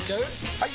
・はい！